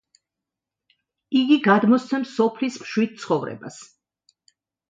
იგი გადმოსცემს სოფლის მშვიდ ცხოვრებას.